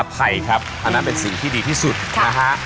ภัยครับอันนั้นเป็นสิ่งที่ดีที่สุดนะฮะ